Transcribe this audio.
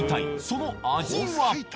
その味は？